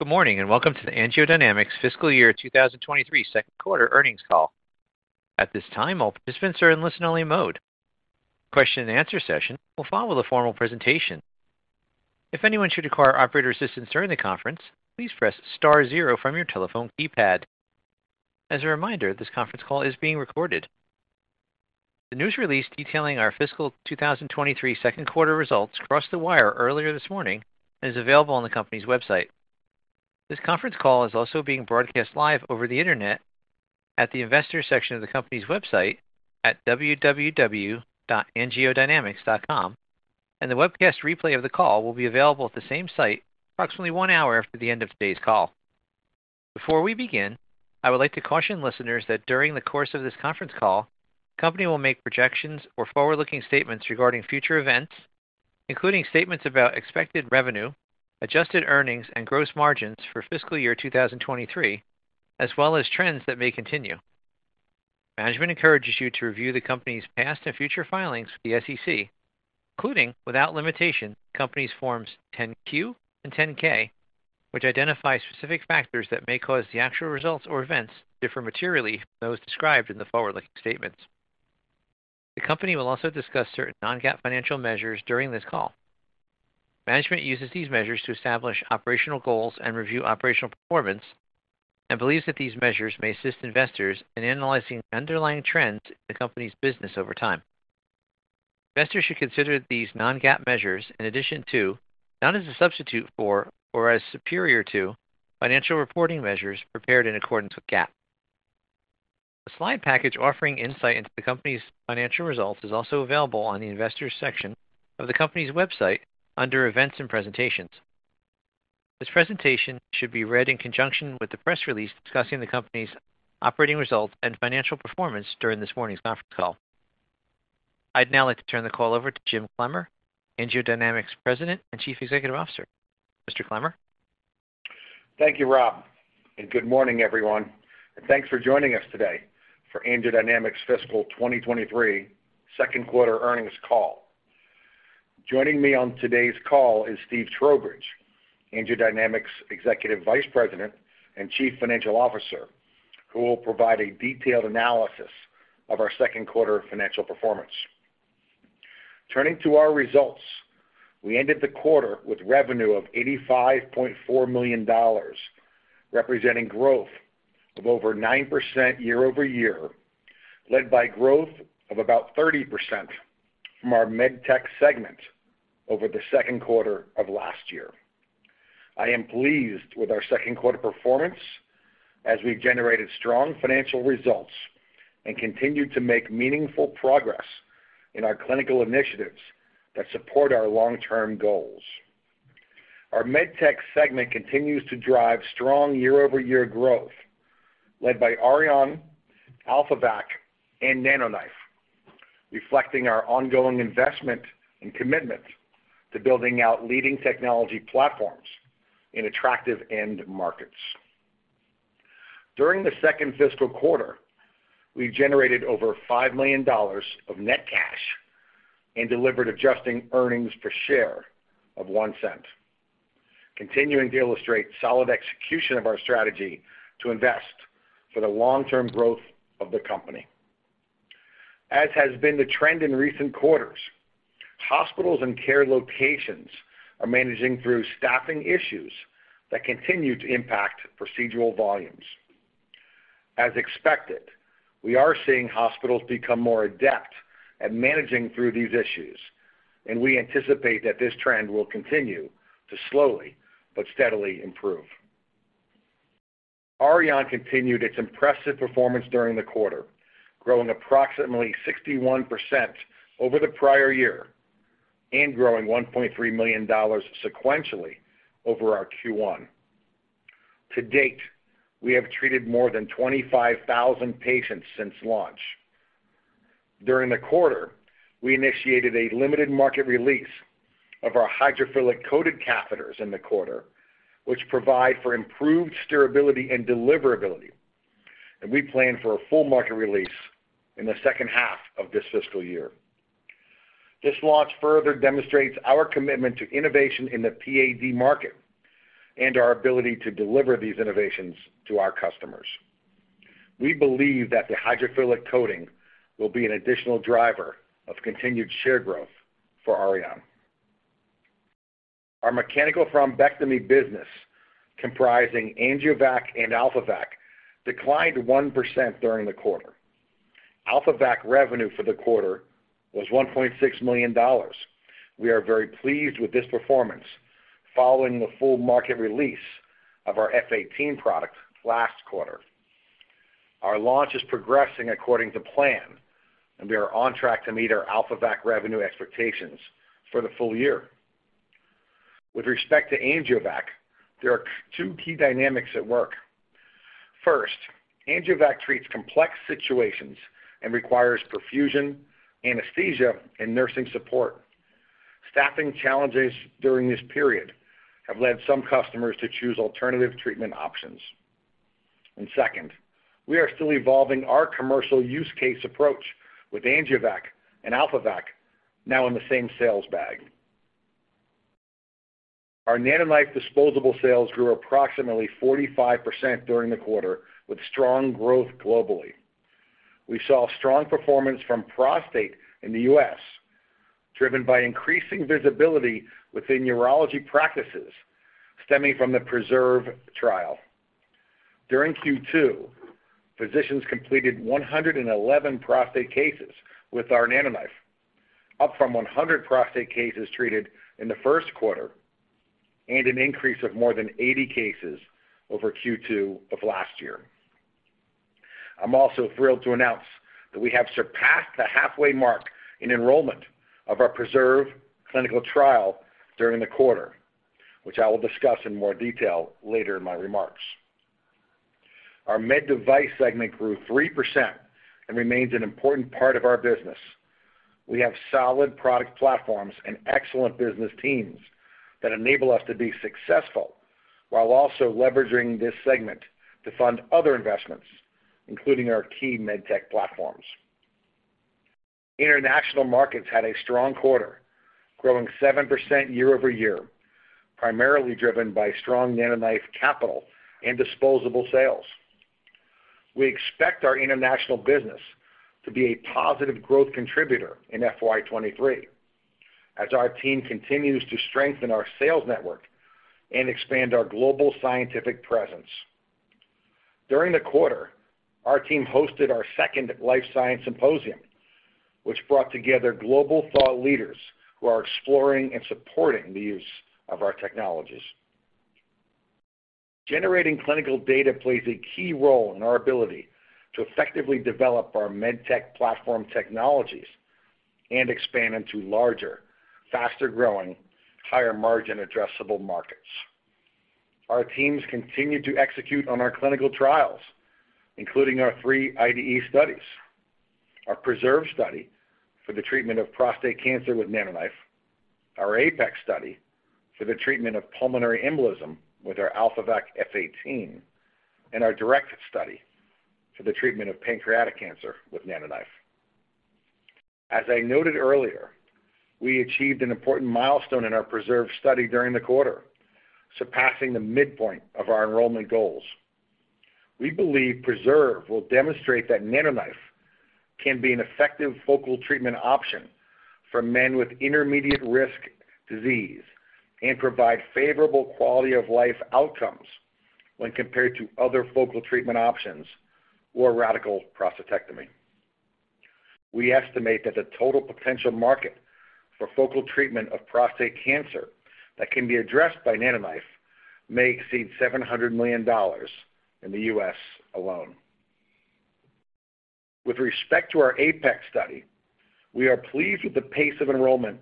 Good morning, and welcome to the AngioDynamics Fiscal Year 2023 Second Quarter Earnings Call. At this time, all participants are in listen-only mode. Question-and-answer session will follow the formal presentation. If anyone should require operator assistance during the conference, please press star zero from your telephone keypad. As a reminder, this conference call is being recorded. The news release detailing our fiscal 2023 second quarter results crossed the wire earlier this morning and is available on the company's website. This conference call is also being broadcast live over the internet at the investor section of the company's website at www.angiodynamics.com, and the webcast replay of the call will be available at the same site approximately one hour after the end of today's call. Before we begin, I would like to caution listeners that during the course of this conference call, the company will make projections or forward-looking statements regarding future events, including statements about expected revenue, adjusted earnings and gross margins for fiscal year 2023, as well as trends that may continue. Management encourages you to review the company's past and future filings with the SEC, including, without limitation, the company's Form 10-Q and Form 10-K, which identify specific factors that may cause the actual results or events to differ materially from those described in the forward-looking statements. The company will also discuss certain non-GAAP financial measures during this call. Management uses these measures to establish operational goals and review operational performance and believes that these measures may assist investors in analyzing underlying trends in the company's business over time. Investors should consider these non-GAAP measures in addition to, not as a substitute for, or as superior to, financial reporting measures prepared in accordance with GAAP. A slide package offering insight into the company's financial results is also available on the Investors section of the company's website under Events and Presentations. This presentation should be read in conjunction with the press release discussing the company's operating results and financial performance during this morning's conference call. I'd now like to turn the call over to Jim Clemmer, AngioDynamics President and Chief Executive Officer. Mr. Clemmer? Thank you, Rob, and good morning, everyone. Thanks for joining us today for AngioDynamics' fiscal 2023 second quarter earnings call. Joining me on today's call is Steve Trowbridge, AngioDynamics' Executive Vice President and Chief Financial Officer, who will provide a detailed analysis of our second quarter financial performance. Turning to our results, we ended the quarter with revenue of $85.4 million, representing growth of over 9% year-over-year, led by growth of about 30% from our Med Tech segment over the second quarter of last year. I am pleased with our second quarter performance as we've generated strong financial results and continued to make meaningful progress in our clinical initiatives that support our long-term goals. Our Med Tech segment continues to drive strong year-over-year growth led by Auryon, AlphaVac, and NanoKnife, reflecting our ongoing investment and commitment to building out leading technology platforms in attractive end markets. During the second fiscal quarter, we generated over $5 million of net cash and delivered adjusting earnings per share of $0.01, continuing to illustrate solid execution of our strategy to invest for the long-term growth of the company. As has been the trend in recent quarters, hospitals and care locations are managing through staffing issues that continue to impact procedural volumes. As expected, we are seeing hospitals become more adept at managing through these issues, and we anticipate that this trend will continue to slowly but steadily improve. Auryon continued its impressive performance during the quarter, growing approximately 61% over the prior year and growing $1.3 million sequentially over our Q1. To date, we have treated more than 25,000 patients since launch. During the quarter, we initiated a limited market release of our hydrophilic coated catheters in the quarter, which provide for improved steerability and deliverability, and we plan for a full market release in the second half of this fiscal year. This launch further demonstrates our commitment to innovation in the PAD market and our ability to deliver these innovations to our customers. We believe that the hydrophilic coating will be an additional driver of continued share growth for Auryon. Our mechanical thrombectomy business, comprising AngioVac and AlphaVac, declined 1% during the quarter. AlphaVac revenue for the quarter was $1.6 million. We are very pleased with this performance following the full market release of our F18 product last quarter. Our launch is progressing according to plan, and we are on track to meet our AlphaVac revenue expectations for the full year. With respect to AngioVac, there are two key dynamics at work. First, AngioVac treats complex situations and requires perfusion, anesthesia, and nursing support. Staffing challenges during this period have led some customers to choose alternative treatment options. Second, we are still evolving our commercial use case approach with AngioVac and AlphaVac now in the same sales bag. Our NanoKnife disposable sales grew approximately 45% during the quarter with strong growth globally. We saw strong performance from prostate in the U.S., driven by increasing visibility within urology practices stemming from the PRESERVE trial. During Q2, physicians completed 111 prostate cases with our NanoKnife, up from 100 prostate cases treated in the first quarter and an increase of more than 80 cases over Q2 of last year. I'm also thrilled to announce that we have surpassed the halfway mark in enrollment of our PRESERVE clinical trial during the quarter, which I will discuss in more detail later in my remarks. Our Med Device segment grew 3% and remains an important part of our business. We have solid product platforms and excellent business teams that enable us to be successful while also leveraging this segment to fund other investments, including our key Med Tech platforms. International markets had a strong quarter, growing 7% year-over-year, primarily driven by strong NanoKnife capital and disposable sales. We expect our international business to be a positive growth contributor in FY 2023 as our team continues to strengthen our sales network and expand our global scientific presence. During the quarter, our team hosted our second life science symposium, which brought together global thought leaders who are exploring and supporting the use of our technologies. Generating clinical data plays a key role in our ability to effectively develop our Med Tech platform technologies and expand into larger, faster-growing, higher-margin addressable markets. Our teams continued to execute on our clinical trials, including our three IDE studies, our PRESERVE study for the treatment of prostate cancer with NanoKnife, our APEX study for the treatment of pulmonary embolism with our AlphaVac F18, and our DIRECT study for the treatment of pancreatic cancer with NanoKnife. As I noted earlier, we achieved an important milestone in our PRESERVE study during the quarter, surpassing the midpoint of our enrollment goals. We believe PRESERVE will demonstrate that NanoKnife can be an effective focal treatment option for men with intermediate risk disease and provide favorable quality of life outcomes when compared to other focal treatment options or radical prostatectomy. We estimate that the total potential market for focal treatment of prostate cancer that can be addressed by NanoKnife may exceed $700 million in the U.S. alone. With respect to our APEX study, we are pleased with the pace of enrollment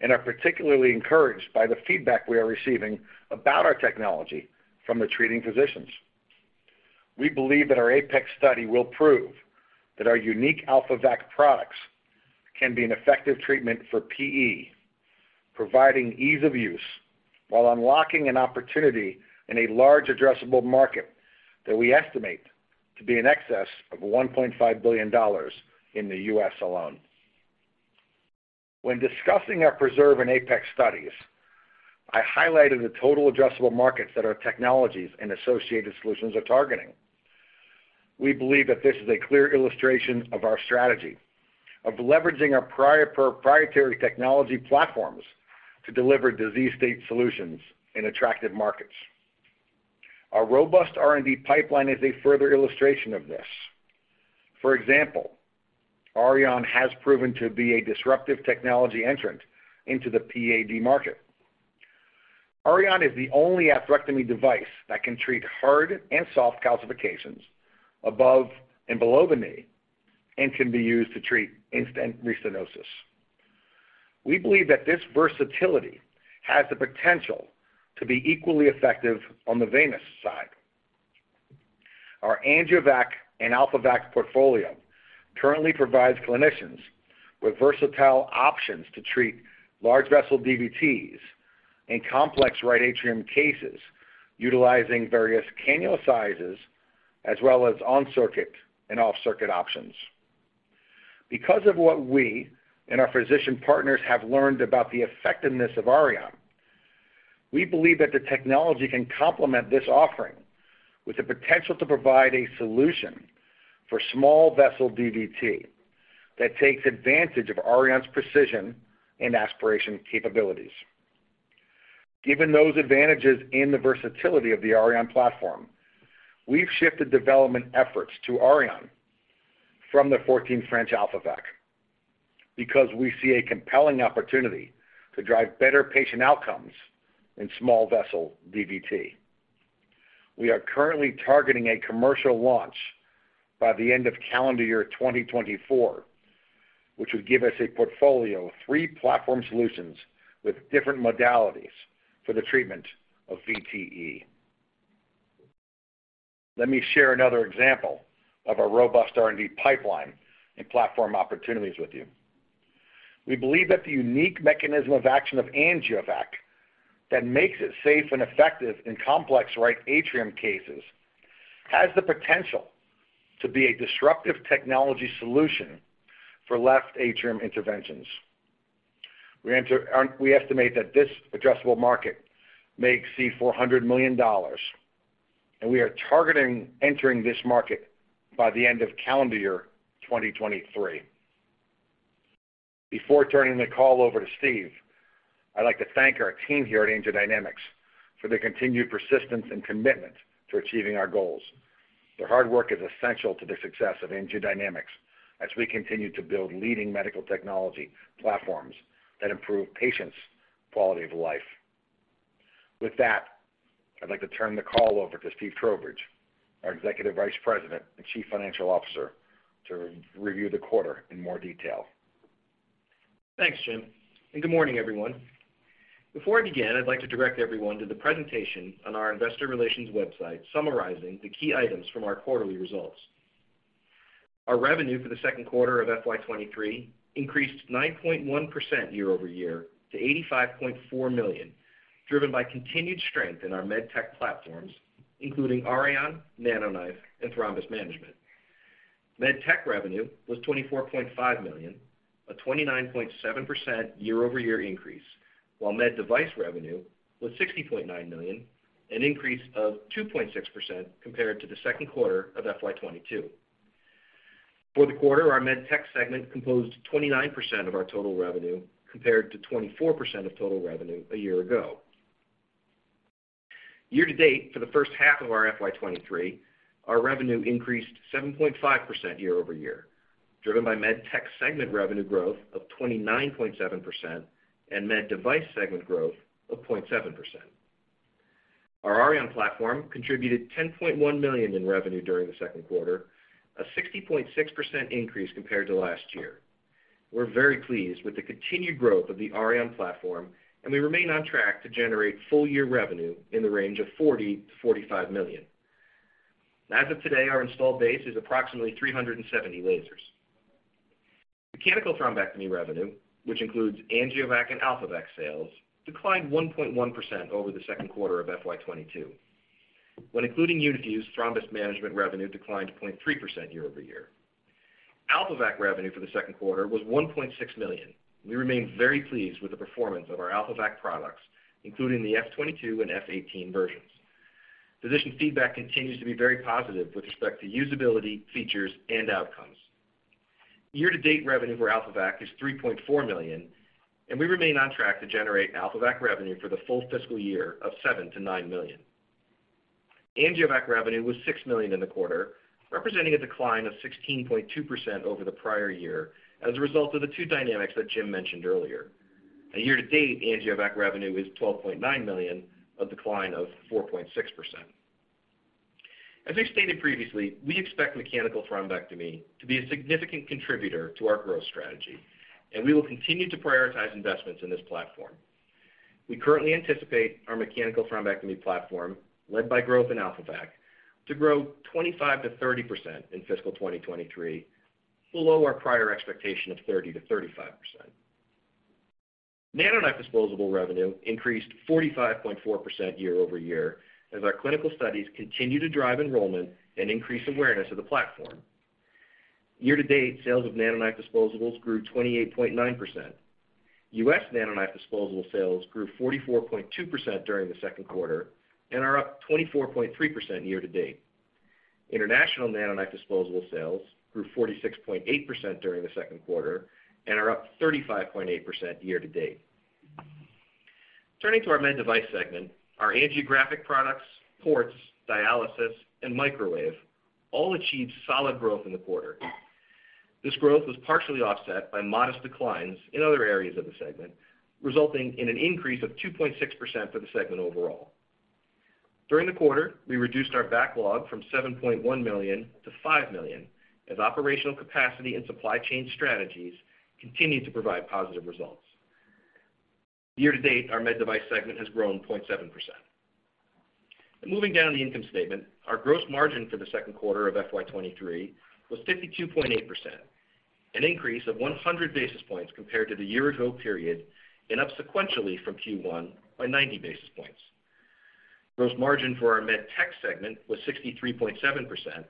and are particularly encouraged by the feedback we are receiving about our technology from the treating physicians. We believe that our APEX study will prove that our unique AlphaVac products can be an effective treatment for PE, providing ease of use while unlocking an opportunity in a large addressable market that we estimate to be in excess of $1.5 billion in the U.S. alone. When discussing our PRESERVE and APEX studies, I highlighted the total addressable markets that our technologies and associated solutions are targeting. We believe that this is a clear illustration of our strategy of leveraging our prior proprietary technology platforms to deliver disease state solutions in attractive markets. Our robust R&D pipeline is a further illustration of this. For example, Auryon has proven to be a disruptive technology entrant into the PAD market. Auryon is the only atherectomy device that can treat hard and soft calcifications above and below the knee and can be used to treat in-stent restenosis. We believe that this versatility has the potential to be equally effective on the venous side. Our AngioVac and AlphaVac portfolio currently provides clinicians with versatile options to treat large vessel DVTs in complex right atrium cases utilizing various cannula sizes as well as on-circuit and off-circuit options. What we and our physician partners have learned about the effectiveness of Auryon, we believe that the technology can complement this offering with the potential to provide a solution for small vessel DVT that takes advantage of Auryon's precision and aspiration capabilities. Given those advantages and the versatility of the Auryon platform, we've shifted development efforts to Auryon from the 14 French AlphaVac because we see a compelling opportunity to drive better patient outcomes in small vessel DVT. We are currently targeting a commercial launch by the end of calendar year 2024, which would give us a portfolio of three platform solutions with different modalities for the treatment of VTE. Let me share another example of our robust R&D pipeline and platform opportunities with you. We believe that the unique mechanism of action of AngioVac that makes it safe and effective in complex right atrium cases has the potential to be a disruptive technology solution for left atrium interventions. We estimate that this addressable market may exceed $400 million, and we are targeting entering this market by the end of calendar year 2023. Before turning the call over to Steve, I'd like to thank our team here at AngioDynamics for their continued persistence and commitment to achieving our goals. Their hard work is essential to the success of AngioDynamics as we continue to build leading medical technology platforms that improve patients' quality of life. With that, I'd like to turn the call over to Steve Trowbridge, our Executive Vice President and Chief Financial Officer, to re-review the quarter in more detail. Thanks, Jim. Good morning, everyone. Before I begin, I'd like to direct everyone to the presentation on our investor relations website summarizing the key items from our quarterly results. Our revenue for the second quarter of FY 2023 increased 9.1% year-over-year to $85.4 million, driven by continued strength in our Med Tech platforms, including Auryon, NanoKnife, and thrombus management. Med Tech revenue was $24.5 million, a 29.7% year-over-year increase, while MedDevice revenue was $60.9 million, an increase of 2.6% compared to the second quarter of FY 2022. For the quarter, our Med Tech segment composed 29% of our total revenue, compared to 24% of total revenue a year ago. Year-to-date, for the first half of our FY 2023, our revenue increased 7.5% year-over-year, driven by Med Tech segment revenue growth of 29.7% and Med Device segment growth of 0.7%. Our Auryon platform contributed $10.1 million in revenue during the second quarter, a 60.6% increase compared to last year. We're very pleased with the continued growth of the Auryon platform, and we remain on track to generate full year revenue in the range of $40 million-$45 million. As of today, our installed base is approximately 370 lasers. Mechanical thrombectomy revenue, which includes AngioVac and AlphaVac sales, declined 1.1% over the second quarter of FY 2022. When including Uni-Fuse thrombus management revenue declined 0.3% year-over-year. AlphaVac revenue for the second quarter was $1.6 million. We remain very pleased with the performance of our AlphaVac products, including the AlphaVac F22 and AlphaVac F1885 versions. Physician feedback continues to be very positive with respect to usability, features, and outcomes. Year-to-date revenue for AlphaVac is $3.4 million, and we remain on track to generate AlphaVac revenue for the full fiscal year of $7 million-$9 million. AngioVac revenue was $6 million in the quarter, representing a decline of 16.2% over the prior year as a result of the two dynamics that Jim mentioned earlier. Year-to-date, AngioVac revenue is $12.9 million, a decline of 4.6%. As we've stated previously, we expect mechanical thrombectomy to be a significant contributor to our growth strategy, and we will continue to prioritize investments in this platform. We currently anticipate our mechanical thrombectomy platform, led by growth in AlphaVac, to grow 25%-30% in fiscal 2023, below our prior expectation of 30%-35%. NanoKnife disposable revenue increased 45.4% year-over-year as our clinical studies continue to drive enrollment and increase awareness of the platform. Year-to-date, sales of NanoKnife disposables grew 28.9%. U.S. NanoKnife disposable sales grew 44.2% during the second quarter and are up 24.3% year-to-date. International NanoKnife disposable sales grew 46.8% during the second quarter and are up 35.8% year-to-date. Turning to our Med Device segment, our angiographic products, ports, dialysis, and microwave all achieved solid growth in the quarter. This growth was partially offset by modest declines in other areas of the segment, resulting in an increase of 2.6% for the segment overall. During the quarter, we reduced our backlog from $7.1 million to $5 million as operational capacity and supply chain strategies continued to provide positive results. Year-to-date, our Med Device segment has grown 0.7%. Moving down the income statement, our gross margin for the second quarter of FY 2023 was 52.8%, an increase of 100 basis points compared to the year-ago period and up sequentially from Q1 by 90 basis points. Gross margin for our Med Tech segment was 63.7%,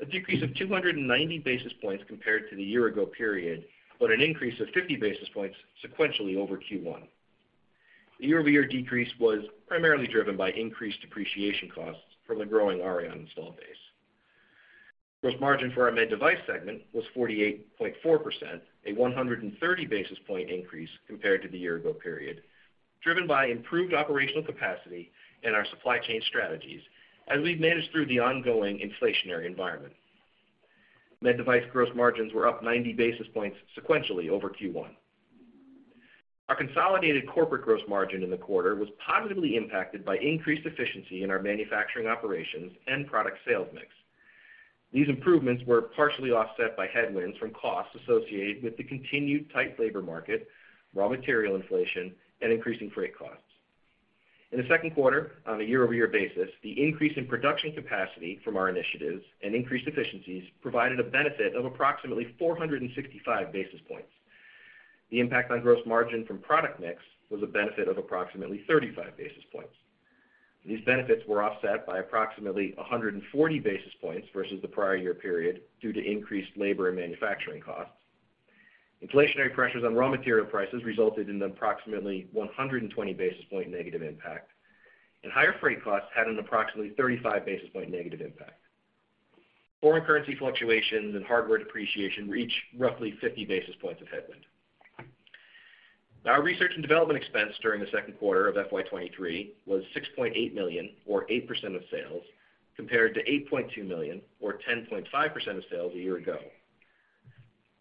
a decrease of 290 basis points compared to the year-ago period, but an increase of 50 basis points sequentially over Q1. The year-over-year decrease was primarily driven by increased depreciation costs from the growing Auryon install base. Gross margin for our Med Device segment was 48.4%, a 130 basis point increase compared to the year ago period, driven by improved operational capacity and our supply chain strategies as we've managed through the ongoing inflationary environment. Med Device gross margins were up 90 basis points sequentially over Q1. Our consolidated corporate gross margin in the quarter was positively impacted by increased efficiency in our manufacturing operations and product sales mix. These improvements were partially offset by headwinds from costs associated with the continued tight labor market, raw material inflation, and increasing freight costs. In the second quarter, on a year-over-year basis, the increase in production capacity from our initiatives and increased efficiencies provided a benefit of approximately 465 basis points. The impact on gross margin from product mix was a benefit of approximately 35 basis points. These benefits were offset by approximately 140 basis points versus the prior year period due to increased labor and manufacturing costs. Inflationary pressures on raw material prices resulted in approximately 120 basis point negative impact, and higher freight costs had an approximately 35 basis point negative impact. Foreign currency fluctuations and hardware depreciation reached roughly 50 basis points of headwind. Our research and development expense during the second quarter of FY 2023 was $6.8 million or 8% of sales, compared to $8.2 million or 10.5% of sales a year ago.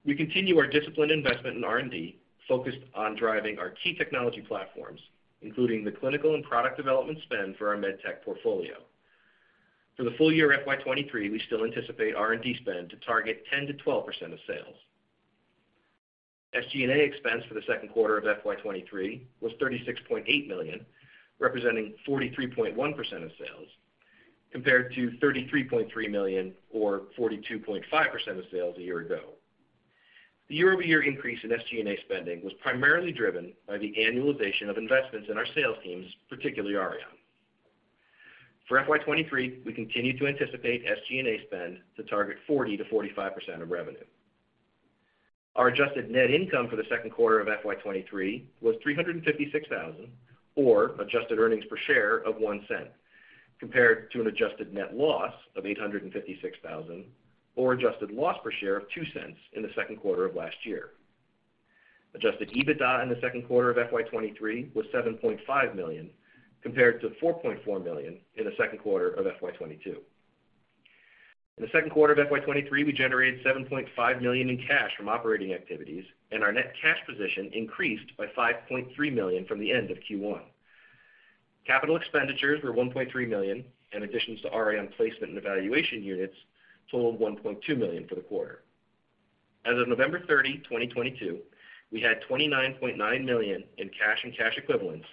We continue our disciplined investment in R&D focused on driving our key technology platforms, including the clinical and product development spend for our Med Tech portfolio. For the full year FY 2023, we still anticipate R&D spend to target 10%-12% of sales. SG&A expense for the second quarter of FY 2023 was $36.8 million, representing 43.1% of sales, compared to $33.3 million or 42.5% of sales a year ago. The year-over-year increase in SG&A spending was primarily driven by the annualization of investments in our sales teams, particularly Auryon. For FY 2023, we continue to anticipate SG&A spend to target 40%-45% of revenue. Our adjusted net income for the second quarter of FY 2023 was $356,000 or adjusted earnings per share of $0.01, compared to an adjusted net loss of $856,000 or adjusted loss per share of $0.02 in the second quarter of last year. Adjusted EBITDA in the second quarter of FY 2023 was $7.5 million, compared to $4.4 million in the second quarter of FY 2022. In the second quarter of FY 2023, we generated $7.5 million in cash from operating activities, our net cash position increased by $5.3 million from the end of Q1. Capital expenditures were $1.3 million, additions to Auryon placement and evaluation units totaled $1.2 million for the quarter. As of November 30, 2022, we had $29.9 million in cash and cash equivalents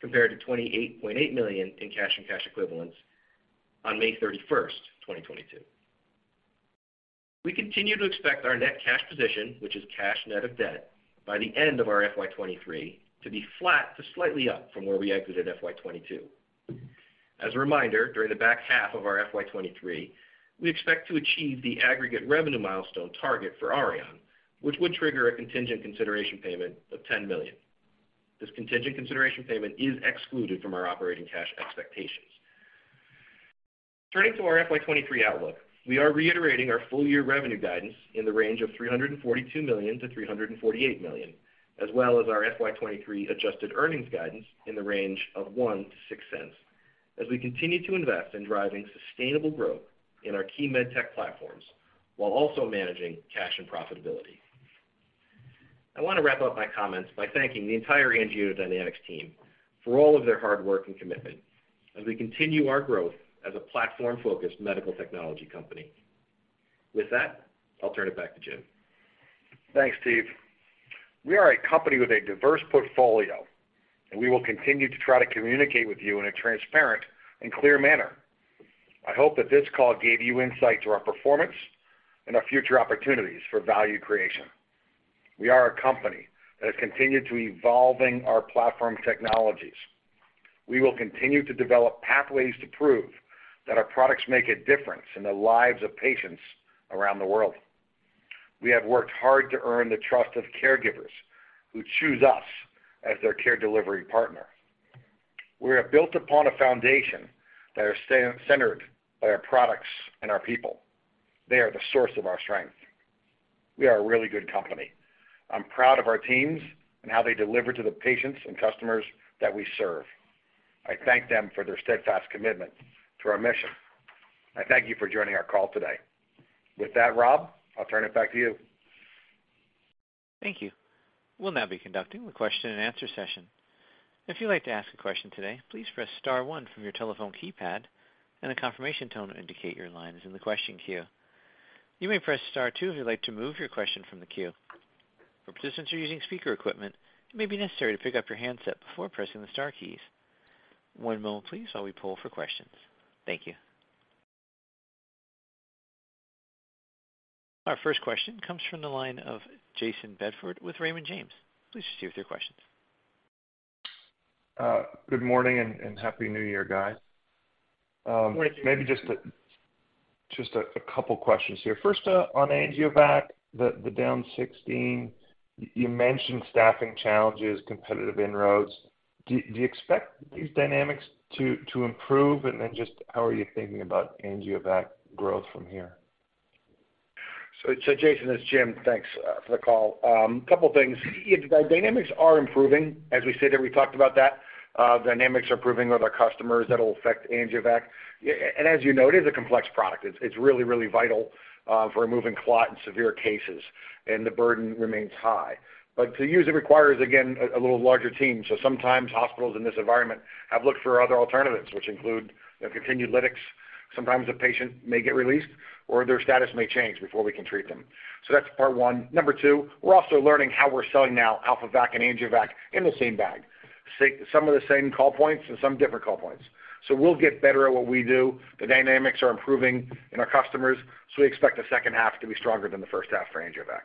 compared to $28.8 million in cash and cash equivalents on May 31, 2022. We continue to expect our net cash position, which is cash net of debt, by the end of our FY 2023 to be flat to slightly up from where we exited FY 2022. As a reminder, during the back half of our FY 2023, we expect to achieve the aggregate revenue milestone target for Auryon, which would trigger a contingent consideration payment of $10 million. This contingent consideration payment is excluded from our operating cash expectations. Turning to our FY 2023 outlook, we are reiterating our full-year revenue guidance in the range of $342 million-$348 million, as well as our FY 2023 adjusted earnings guidance in the range of $0.01-$0.06 as we continue to invest in driving sustainable growth in our key Med Tech platforms while also managing cash and profitability. I want to wrap up my comments by thanking the entire AngioDynamics team for all of their hard work and commitment as we continue our growth as a platform-focused medical technology company. With that, I'll turn it back to Jim. Thanks, Steve. We are a company with a diverse portfolio. We will continue to try to communicate with you in a transparent and clear manner. I hope that this call gave you insight to our performance and our future opportunities for value creation. We are a company that has continued to evolving our platform technologies. We will continue to develop pathways to prove that our products make a difference in the lives of patients around the world. We have worked hard to earn the trust of caregivers who choose us as their care delivery partner. We have built upon a foundation that are centered by our products and our people. They are the source of our strength. We are a really good company. I'm proud of our teams and how they deliver to the patients and customers that we serve. I thank them for their steadfast commitment to our mission. I thank you for joining our call today. With that, Rob, I'll turn it back to you. Thank you. We'll now be conducting the question-and-answer session. If you'd like to ask a question today, please press star one from your telephone keypad, and a confirmation tone will indicate your line is in the question queue. You may press star two if you'd like to move your question from the queue. For participants who are using speaker equipment, it may be necessary to pick up your handset before pressing the star keys. One moment please while we poll for questions. Thank you. Our first question comes from the line of Jayson Bedford with Raymond James. Please proceed with your questions. Good morning and Happy New Year, guys. Maybe just a couple questions here. First, on AngioVac, the down 16, you mentioned staffing challenges, competitive inroads. Do you expect these dynamics to improve? Just how are you thinking about AngioVac growth from here? Jayson, it's Jim. Thanks for the call. Couple things. The dynamics are improving. As we said there, we talked about that, dynamics are improving with our customers that'll affect AngioVac. As you know, it is a complex product. It's really vital for removing clot in severe cases, and the burden remains high. To use, it requires, again, a little larger team. Sometimes hospitals in this environment have looked for other alternatives, which include, you know, continued lytics. Sometimes a patient may get released or their status may change before we can treat them. That's part one. Number two, we're also learning how we're selling now AlphaVac and AngioVac in the same bag. Some of the same call points and some different call points. We'll get better at what we do. The dynamics are improving in our customers. We expect the second half to be stronger than the first half for AngioVac.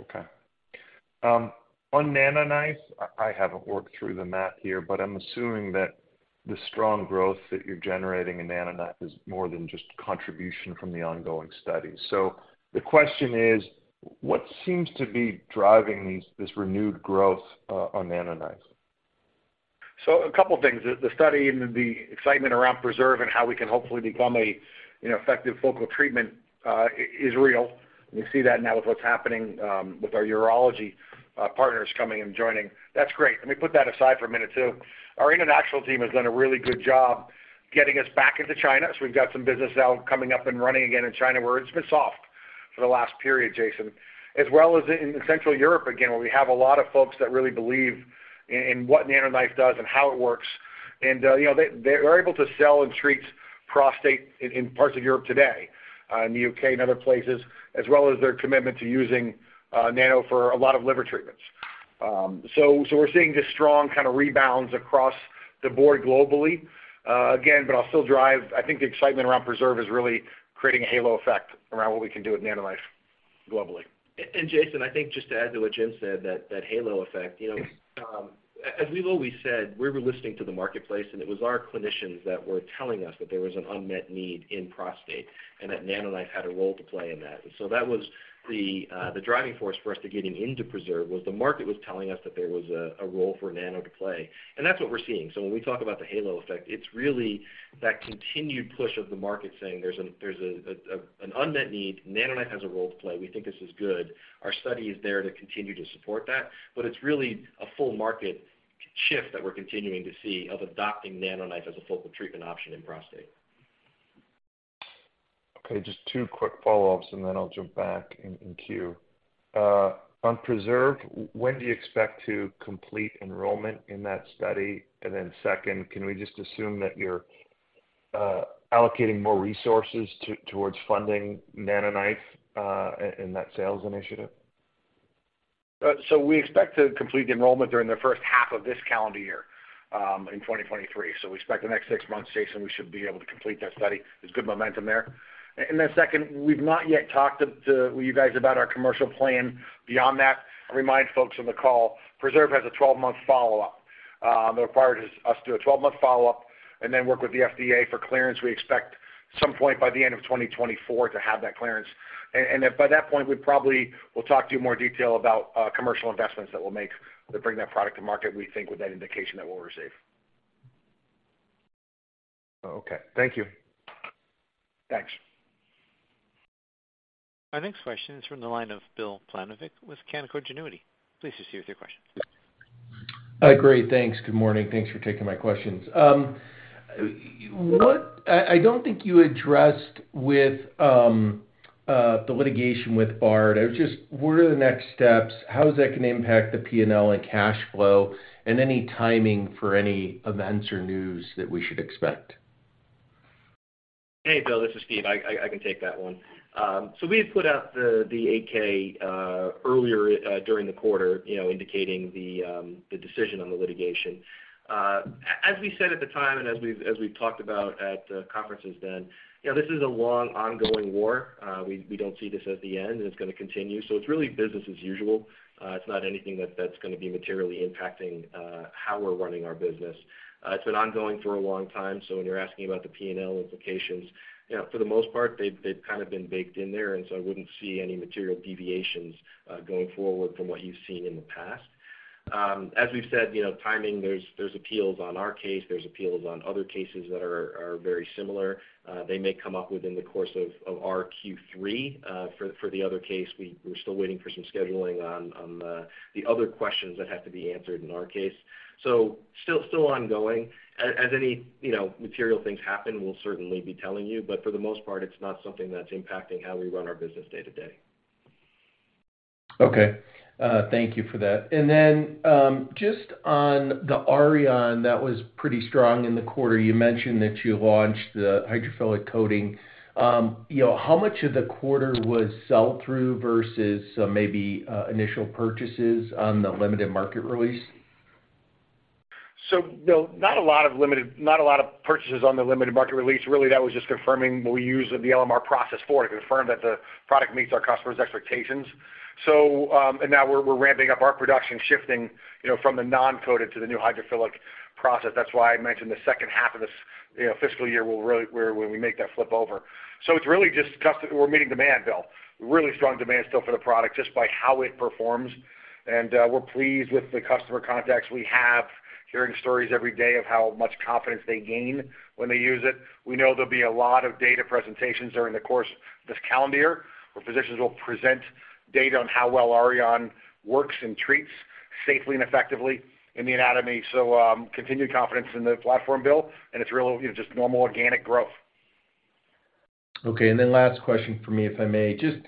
Okay. On NanoKnife, I haven't worked through the math here, but I'm assuming that the strong growth that you're generating in NanoKnife is more than just contribution from the ongoing study. The question is: what seems to be driving this renewed growth on NanoKnife? A couple things. The study and the excitement around PRESERVE and how we can hopefully become an effective focal treatment is real. We see that now with what's happening with our urology partners coming and joining. That's great. Let me put that aside for a minute too. Our international team has done a really good job getting us back into China, so we've got some business now coming up and running again in China, where it's been soft for the last period, Jason. As well as in Central Europe, again, where we have a lot of folks that really believe in what NanoKnife does and how it works. You know, we're able to sell and treat prostate in parts of Europe today, in the UK and other places, as well as their commitment to using NanoKnife for a lot of liver treatments. We're seeing just strong kind of rebounds across the board globally. Again, I think the excitement around PRESERVE is really creating a halo effect around what we can do with NanoKnife globally. Jayson, I think just to add to what Jim said, that halo effect, you know, as we've always said, we've been listening to the marketplace, and it was our clinicians that were telling us that there was an unmet need in prostate and that NanoKnife had a role to play in that. That was the driving force for us to getting into PRESERVE, was the market was telling us that there was a role for Nano to play, and that's what we're seeing. When we talk about the halo effect, it's really that continued push of the market saying there's an unmet need, NanoKnife has a role to play. We think this is good. Our study is there to continue to support that. It's really a full market shift that we're continuing to see of adopting NanoKnife as a focal treatment option in prostate. Okay, just two quick follow-ups, and then I'll jump back in queue. On PRESERVE, when do you expect to complete enrollment in that study? Second, can we just assume that you're allocating more resources towards funding NanoKnife in that sales initiative? We expect to complete the enrollment during the first half of this calendar year in 2023. We expect the next six months, Jayson, we should be able to complete that study. There's good momentum there. Second, we've not yet talked to you guys about our commercial plan beyond that. I remind folks on the call, PRESERVE has a 12-month follow-up. It requires us do a 12-month follow-up and then work with the FDA for clearance. We expect some point by the end of 2024 to have that clearance. By that point, we probably will talk to you in more detail about commercial investments that we'll make that bring that product to market, we think with that indication that we'll receive. Okay. Thank you. Thanks. Our next question is from the line of Bill Plovanic with Canaccord Genuity. Please proceed with your question. Great. Thanks. Good morning. Thanks for taking my questions. I don't think you addressed with the litigation with Bard. What are the next steps? How is that gonna impact the P&L and cash flow, and any timing for any events or news that we should expect? Hey, Bill. This is Steve. I can take that one. We had put out the 8-K earlier during the quarter, you know, indicating the decision on the litigation. As we said at the time, and as we've talked about at conferences then, you know, this is a long ongoing war. We don't see this as the end, and it's gonna continue. It's really business as usual. It's not anything that's gonna be materially impacting how we're running our business. It's been ongoing for a long time, so when you're asking about the P&L implications, you know, for the most part, they've kind of been baked in there, and so I wouldn't see any material deviations going forward from what you've seen in the past. As we've said, you know, timing, there's appeals on our case, there's appeals on other cases that are very similar. They may come up within the course of our Q3. For the other case, we're still waiting for some scheduling on the other questions that have to be answered in our case. Still ongoing. As any, you know, material things happen, we'll certainly be telling you, but for the most part, it's not something that's impacting how we run our business day-to-day. Okay. Thank you for that. Then, just on the Auryon that was pretty strong in the quarter. You mentioned that you launched the hydrophilic coating. You know, how much of the quarter was sell-through versus maybe, initial purchases on the limited market release? Bill, not a lot of purchases on the limited market release. Really, that was just confirming what we use the LMR process for, to confirm that the product meets our customers' expectations. Now we're ramping up our production, shifting, you know, from the non-coated to the new hydrophilic process. That's why I mentioned the second half of this, you know, fiscal year, we'll where we make that flip over. It's really just we're meeting demand, Bill. Really strong demand still for the product just by how it performs. We're pleased with the customer contacts we have, hearing stories every day of how much confidence they gain when they use it. We know there'll be a lot of data presentations during the course of this calendar year, where physicians will present data on how well Auryon works and treats safely and effectively in the anatomy. Continued confidence in the platform, Bill, and it's real, you know, just normal organic growth. Okay. Last question for me, if I may. Just,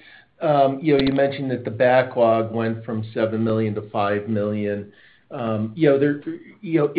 you know, you mentioned that the backlog went from $7 million to $5 million. You know,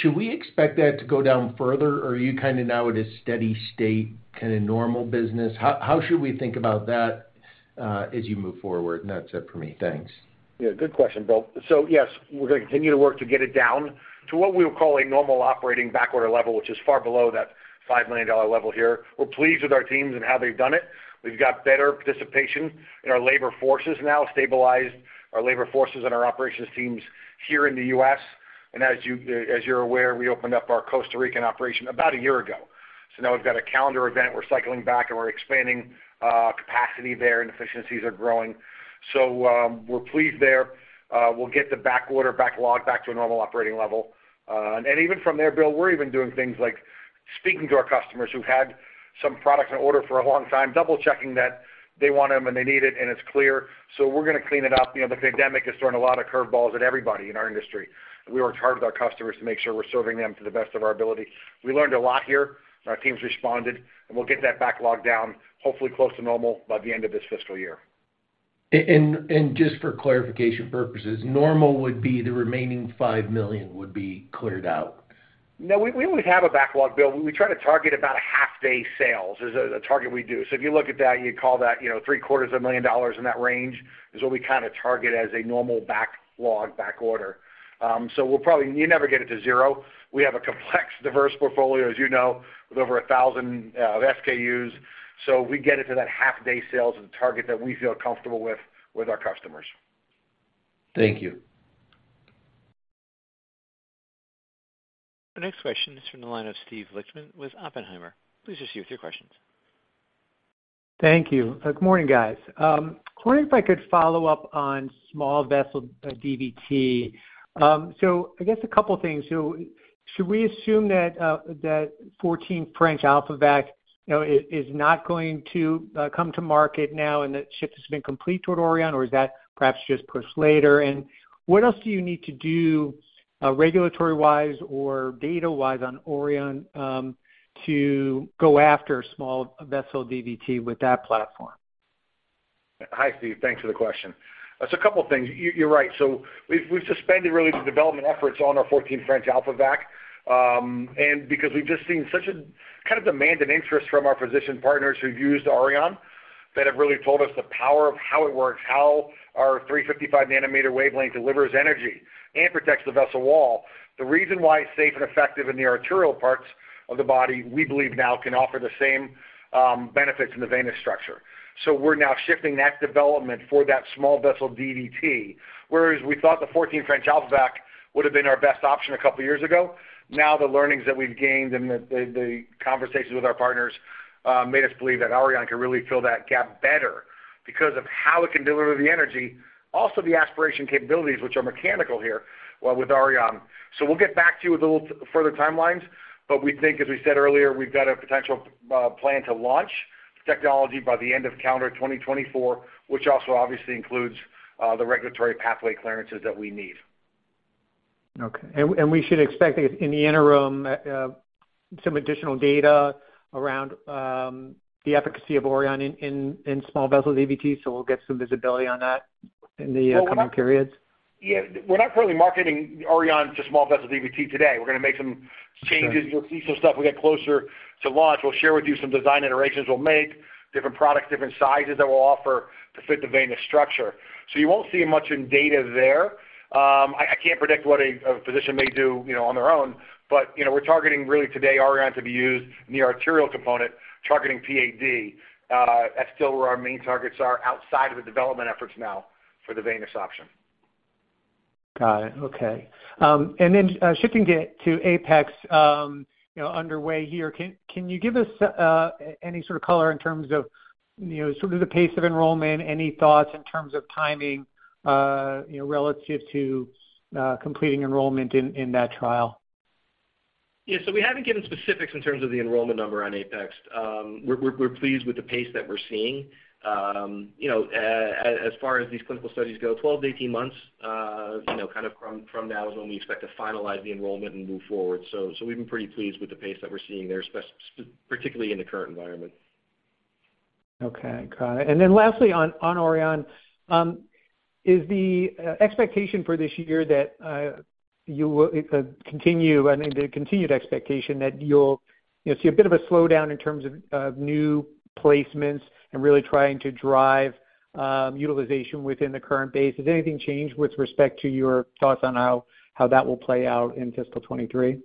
should we expect that to go down further or are you kind of now at a steady state kind of normal business? How should we think about that as you move forward? That's it for me. Thanks. Yeah, good question, Bill. Yes, we're going to continue to work to get it down to what we would call a normal operating backorder level, which is far below that $5 million level here. We're pleased with our teams and how they've done it. We've got better participation in our labor forces now, stabilized our labor forces and our operations teams here in the U.S. As you're aware, we opened up our Costa Rican operation about a year ago. Now we've got a calendar event. We're cycling back, and we're expanding capacity there, and efficiencies are growing. We're pleased there. We'll get the backorder backlog back to a normal operating level. Even from there, Bill, we're even doing things like speaking to our customers who've had some products on order for a long time, double-checking that they want them and they need it, and it's clear. We're going to clean it up. You know, the pandemic has thrown a lot of curve balls at everybody in our industry. We worked hard with our customers to make sure we're serving them to the best of our ability. We learned a lot here. Our teams responded. We'll get that backlog down, hopefully close to normal by the end of this fiscal year. Just for clarification purposes, normal would be the remaining $5 million would be cleared out. No, we would have a backlog, Bill. We try to target about a half-day sales is a target we do. If you look at that, you call that, you know, three-quarters of a million dollars in that range is what we kind of target as a normal backlog backorder. We'll probably you never get it to zero. We have a complex, diverse portfolio, as you know, with over 1,000 SKUs. We get it to that half-day sales and target that we feel comfortable with our customers. Thank you. The next question is from the line of Steve Lichtman with Oppenheimer. Please proceed with your questions. Thank you. Good morning, guys. I'm wondering if I could follow up on small vessel DVT. I guess a couple of things. Should we assume that that 14 French AlphaVac, you know, is not going to come to market now and the shift has been complete toward Auryon, or is that perhaps just pushed later? What else do you need to do regulatory-wise or data-wise on Auryon to go after small vessel DVT with that platform? Hi, Steve. Thanks for the question. A couple of things. You're right. We've suspended really the development efforts on our 14 French AlphaVac, and because we've just seen such a kind of demand and interest from our physician partners who've used Auryon that have really told us the power of how it works, how our 355 nm wavelength delivers energy and protects the vessel wall. The reason why it's safe and effective in the arterial parts of the body, we believe now can offer the same benefits in the venous structure. We're now shifting that development for that small vessel DVT. Whereas we thought the 14 French AlphaVac would have been our best option a couple of years ago. The learnings that we've gained and the conversations with our partners made us believe that Auryon can really fill that gap better because of how it can deliver the energy, also the aspiration capabilities, which are mechanical here with Auryon. We'll get back to you with a little further timelines. We think, as we said earlier, we've got a potential plan to launch technology by the end of calendar 2024, which also obviously includes the regulatory pathway clearances that we need. Okay. We should expect, I guess, in the interim, some additional data around the efficacy of Auryon in small vessel DVT. We'll get some visibility on that in the coming periods. Yeah. We're not currently marketing Auryon to small vessel DVT today. We're going to make some changes. You'll see some stuff we get closer to launch. We'll share with you some design iterations we'll make, different products, different sizes that we'll offer to fit the venous structure. You won't see much in data there. I can't predict what a physician may do, you know, on their own. You know, we're targeting really today Auryon to be used in the arterial component, targeting PAD. That's still where our main targets are outside of the development efforts now for the venous option. Got it. Okay. Shifting to APEX, you know, underway here. Can you give us any sort of color in terms of, you know, sort of the pace of enrollment, any thoughts in terms of timing, you know, relative to completing enrollment in that trial? Yeah. We haven't given specifics in terms of the enrollment number on APEX. We're pleased with the pace that we're seeing. You know, as far as these clinical studies go, 12-18 months, you know, kind of from now is when we expect to finalize the enrollment and move forward. We've been pretty pleased with the pace that we're seeing there, particularly in the current environment. Okay. Got it. Lastly on Auryon, is the expectation for this year that you will continue and the continued expectation that you'll, you know, see a bit of a slowdown in terms of new placements and really trying to drive utilization within the current base. Has anything changed with respect to your thoughts on how that will play out in fiscal 2023?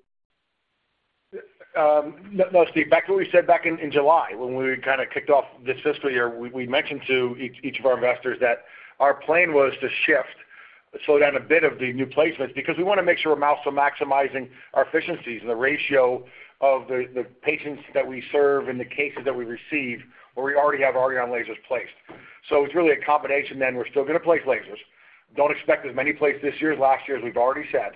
No, Steve. Back to what we said back in July when we kind of kicked off this fiscal year. We mentioned to each of our investors that our plan was to shift, slow down a bit of the new placements because we want to make sure we're also maximizing our efficiencies and the ratio of the patients that we serve and the cases that we receive, where we already have Auryon lasers placed. It's really a combination then. We're still going to place lasers. Don't expect as many placed this year as last year, as we've already said,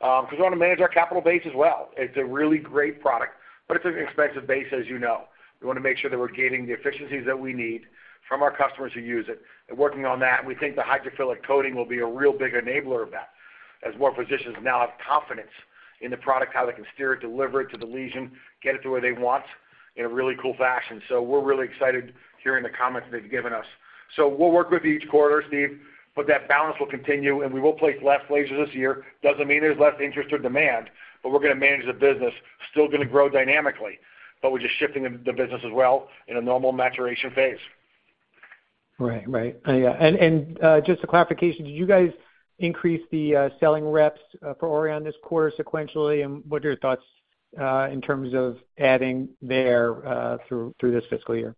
because we want to manage our capital base as well. It's a really great product, but it's an expensive base, as you know. We want to make sure that we're gaining the efficiencies that we need from our customers who use it and working on that. We think the hydrophilic coating will be a real big enabler of that. As more physicians now have confidence in the product, how they can steer it, deliver it to the lesion, get it to where they want in a really cool fashion. We're really excited hearing the comments they've given us. We'll work with you each quarter, Steve. That balance will continue, and we will place less lasers this year. Doesn't mean there's less interest or demand. We're gonna manage the business. Still gonna grow dynamically. We're just shifting the business as well in a normal maturation phase. Right. Yeah. Just a clarification, did you guys increase the selling reps for Auryon this quarter sequentially? What are your thoughts in terms of adding there through this fiscal year?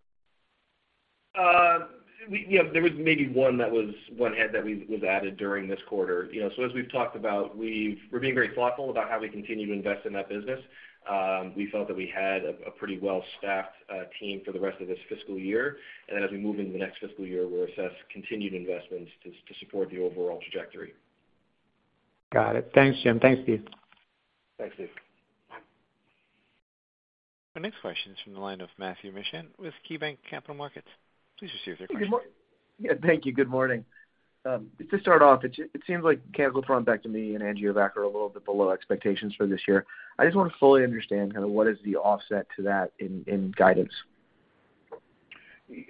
Yeah, there was maybe one that was one head that was added during this quarter. You know, as we've talked about, we're being very thoughtful about how we continue to invest in that business. We felt that we had a pretty well-staffed team for the rest of this fiscal year. Then as we move into the next fiscal year, we'll assess continued investments to support the overall trajectory. Got it. Thanks, Jim. Thanks, Steve. Thanks, Steve. Our next question is from the line of Matthew Mishan with KeyBanc Capital Markets. Please proceed with your question. Yeah, thank you. Good morning. To start off, it seems like chemical thrombectomy and AngioVac are a little bit below expectations for this year. I just wanna fully understand kinda what is the offset to that in guidance.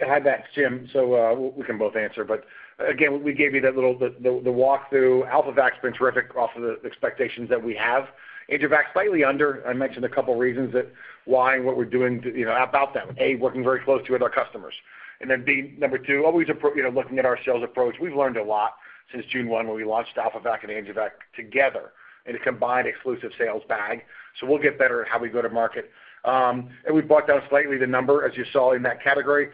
I'll have that, it's Jim, we can both answer. Again, we gave you that little walkthrough. AlphaVac's been terrific off of the expectations that we have. AngioVac, slightly under. I mentioned a couple of reasons that why and what we're doing to, you know, about that. A, working very close to with our customers, and then B, number 2, always you know, looking at our sales approach. We've learned a lot since June 1, when we launched AlphaVac and AngioVac together in a combined exclusive sales bag. We'll get better at how we go to market. We've brought down slightly the number, as you saw in that category,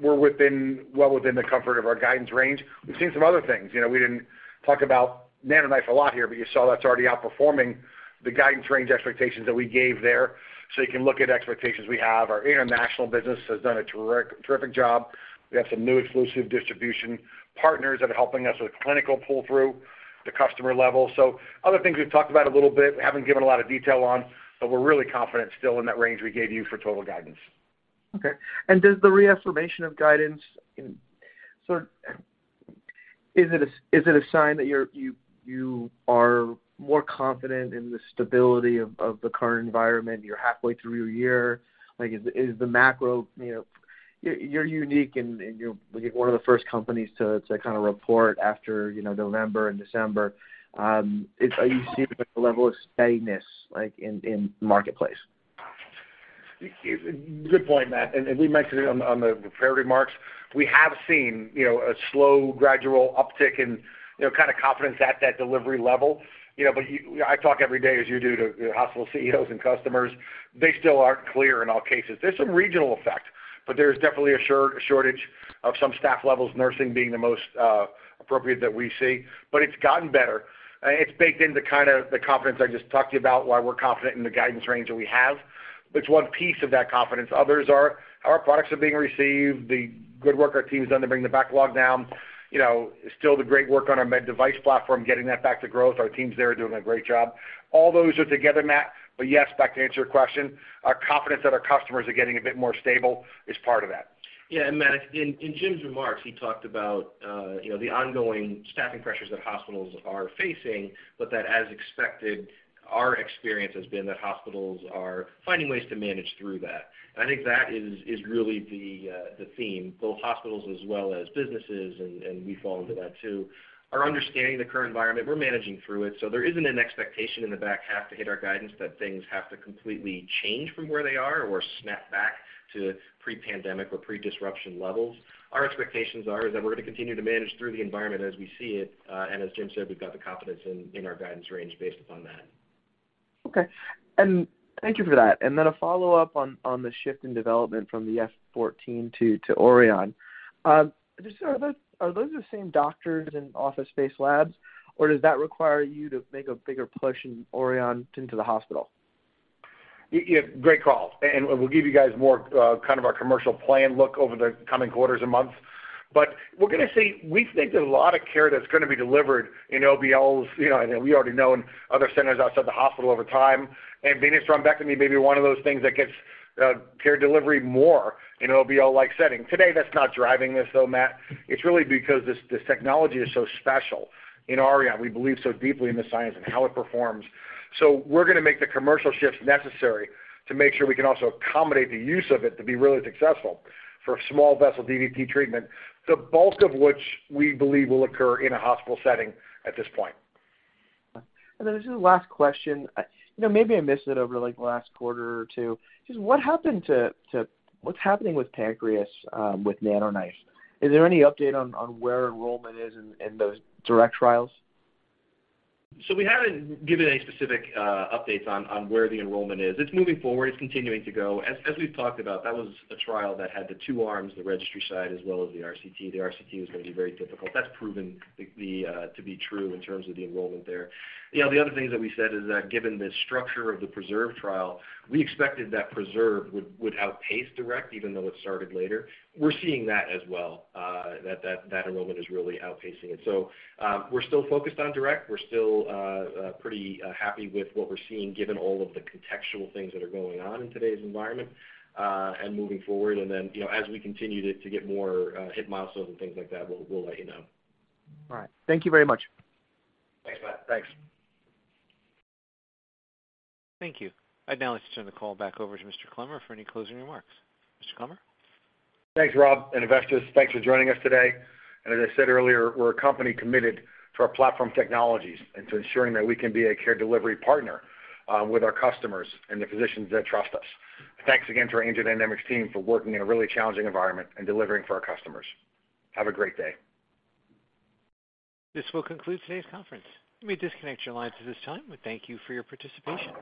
we're within, well within the comfort of our guidance range. We've seen some other things. You know, we didn't talk about NanoKnife a lot here. You saw that's already outperforming the guidance range expectations that we gave there. You can look at expectations we have. Our international business has done a terrific job. We have some new exclusive distribution partners that are helping us with clinical pull-through at the customer level. Other things we've talked about a little bit, we haven't given a lot of detail on. We're really confident still in that range we gave you for total guidance. Okay. Does the reaffirmation of guidance is it a sign that you are more confident in the stability of the current environment? You're halfway through your year. Like, is the macro, you know, you're unique and you're, I think, one of the first companies to kinda report after, you know, November and December. Are you seeing, like, a level of steadiness, like, in the marketplace? Good point, Matt, and we mentioned it on the prepared remarks. We have seen, you know, a slow gradual uptick in, you know, kinda confidence at that delivery level. You know, but I talk every day, as you do, to hospital CEOs and customers. They still aren't clear in all cases. There's some regional effect, but there's definitely a shortage of some staff levels, nursing being the most appropriate that we see. It's gotten better. It's baked into kinda the confidence I just talked to you about, why we're confident in the guidance range that we have. It's one piece of that confidence. Others are how our products are being received, the good work our team's done to bring the backlog down. You know, still the great work on our MedDevice platform, getting that back to growth. Our teams there are doing a great job. All those are together, Matt. Yes, back to answer your question, our confidence that our customers are getting a bit more stable is part of that. Yeah, Matt, in Jim's remarks, he talked about, you know, the ongoing staffing pressures that hospitals are facing, that as expected, our experience has been that hospitals are finding ways to manage through that. I think that is really the theme. Both hospitals as well as businesses, and we fall into that too, are understanding the current environment. We're managing through it. There isn't an expectation in the back half to hit our guidance that things have to completely change from where they are or snap back to pre-pandemic or pre-disruption levels. Our expectations are, is that we're gonna continue to manage through the environment as we see it. As Jim said, we've got the confidence in our guidance range based upon that. Okay. Thank you for that. A follow-up on the shift in development from the F14 to Auryon. Just are those the same doctors in office space labs, or does that require you to make a bigger push in Auryon into the hospital? Yeah, great call. We'll give you guys more, kind of our commercial plan look over the coming quarters and months. We think there's a lot of care that's gonna be delivered in OBLs, you know, and we already know, and other centers outside the hospital over time. Venous thrombectomy may be one of those things that gets care delivery more in OBL-like setting. Today, that's not driving this though, Matt. It's really because this technology is so special in Auryon. We believe so deeply in the science and how it performs. We're gonna make the commercial shifts necessary to make sure we can also accommodate the use of it to be really successful for small vessel DVT treatment, the bulk of which we believe will occur in a hospital setting at this point. This is the last question. You know, maybe I missed it over, like, the last quarter or two. Just what happened to what's happening with pancreas, with NanoKnife? Is there any update on where enrollment is in those DIRECT trials? We haven't given any specific updates on where the enrollment is. It's moving forward. It's continuing to go. As we've talked about, that was a trial that had the two arms, the registry side as well as the RCT. The RCT was gonna be very difficult. That's proven the to be true in terms of the enrollment there. You know, the other things that we said is that given the structure of the PRESERVE trial, we expected that PRESERVE would outpace DIRECT even though it started later. We're seeing that as well, that enrollment is really outpacing it. We're still focused on DIRECT. We're still pretty happy with what we're seeing given all of the contextual things that are going on in today's environment and moving forward. You know, as we continue to get more, hit milestones and things like that, we'll let you know. All right. Thank you very much. Thanks, Matt. Thanks. Thank you. I'd now like to turn the call back over to Mr. Clemmer for any closing remarks. Mr. Clemmer? Thanks, Rob. Investors, thanks for joining us today. As I said earlier, we're a company committed to our platform technologies and to ensuring that we can be a care delivery partner, with our customers and the physicians that trust us. Thanks again to our AngioDynamics team for working in a really challenging environment and delivering for our customers. Have a great day. This will conclude today's conference. You may disconnect your lines at this time. We thank you for your participation.